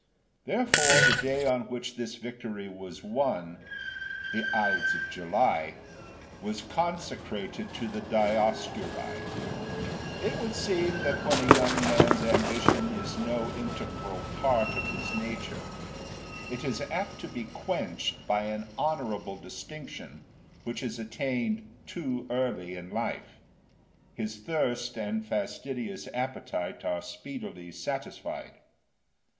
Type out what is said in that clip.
Therefore the day on which this victory was won, the Ides of July, was consecrated to the Dioscuri. IV. It would seem that when a young man's ambition is no integral part of his nature, it is apt to be quenched by an honourable distinction which is attained too early in life; his thirst and fastidious appetite are speedily satisfied.